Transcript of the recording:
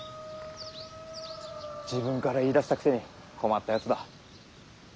自分から言いだしたくせに困ったやつだ。